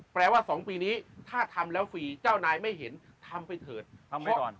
แปลว่า๒ปีนี้ถ้าทำแล้วฟรีเจ้านายไม่เห็นทำไปเถิดทำไว้ก่อน